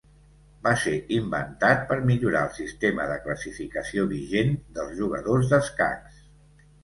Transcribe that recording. Va ser inventat per millorar el sistema de classificació vigent dels jugadors d'escacs.